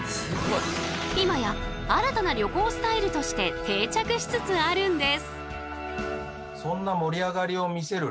今や新たな旅行スタイルとして定着しつつあるんです。